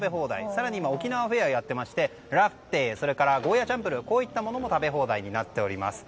更に今沖縄フェアをやっていましてラフテー、ゴーヤチャンプルーといったものも食べ放題になっております。